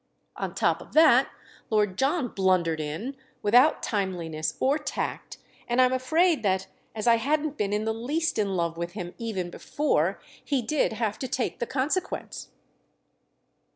On top of that Lord John blundered in, without timeliness or tact—and I'm afraid that, as I hadn't been the least in love with him even before, he did have to take the consequence."